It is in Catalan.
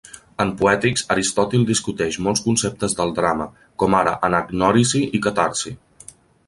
En "Poetics", Aristòtil discuteix molts conceptes del drama, com ara anagnòrisi i catarsi.